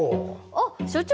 あっ所長。